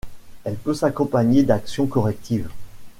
Elle peut s'accompagner d'actions correctives.